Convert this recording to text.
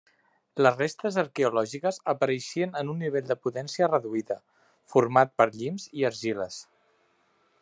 Les restes arqueològiques apareixien en un nivell de potència reduïda, format per llims i argiles.